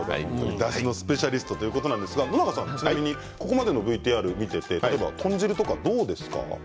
だしのスペシャリストということですが野永さん、ここまでのＶＴＲを見ていて豚汁とかどうですか。